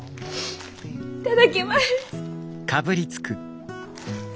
いただきます。